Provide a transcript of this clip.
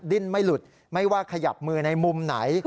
ดิ้นไม่หลุดไม่ว่าขยับมือในมุมไหน